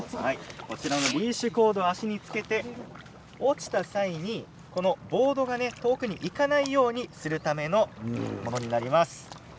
こちらを足につけて落ちた際にボードが遠くに行かないようにするためのものになります。